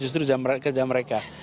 justru jam ke jam mereka